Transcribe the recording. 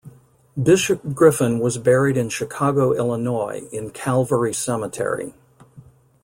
Bishop Griffin was buried in Chicago, Illinois in Calvary Cemetery.